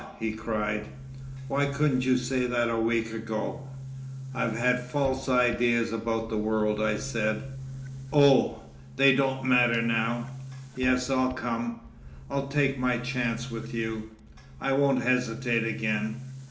he cried. "Why couldn't you say that a week ago?" "I've had false ideas about the world," I said. "Oh! they don't matter now! Yes, I'll come, I'll take my chance with you, I won't hesitate again."